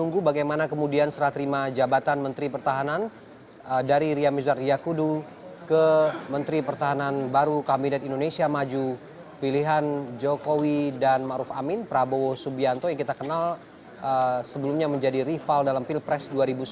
tunggu bagaimana kemudian serah terima jabatan menteri pertahanan dari ria mizar riakudu ke menteri pertahanan baru kabinet indonesia maju pilihan jokowi dan ⁇ maruf ⁇ amin prabowo subianto yang kita kenal sebelumnya menjadi rival dalam pilpres dua ribu sembilan belas